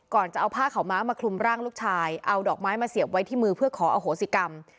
ก่อนจะเอาผ้าขาวม้ามาคลุมร่างลูกชายเอาดอกไม้มาเสียบไว้ที่มือเพื่อขออโหสิกรรม